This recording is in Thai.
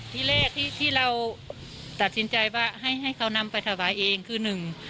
ที่แรกที่ที่เราตัดสินใจว่าให้ให้เขานำไปถวายเองคือหนึ่ง